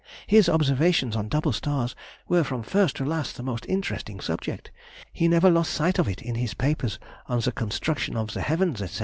His observations on double stars were from first to last the most interesting subject; he never lost sight of it in his papers on the construction of the heavens, &c.